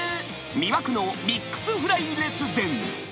魅惑のミックスフライ列伝。